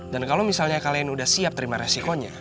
dan kalau misalnya kalian udah siap terima resikonya